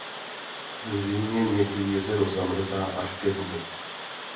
V zimě někdy jezero zamrzá až ke dnu.